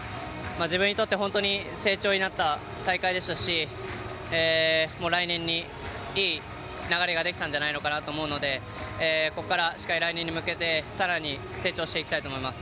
自分にとって本当に成長になった大会でしたし来年に、いい流れができたんじゃないかなと思うのでここから、しっかり来年に向けて更に成長していきたいと思います。